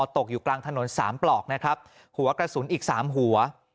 ตกอยู่กลางถนน๓ปลอกหัวกระสุนอีก๓หัว